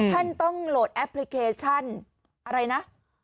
ท่านต้องโหลดแอปพลิเคชันอะไรนะ